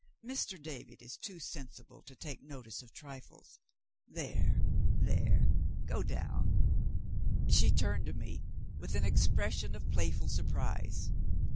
"Mr. David is too sensible to take notice of trifles. There! there! go down," She turned to me, with an expression of playful surprise.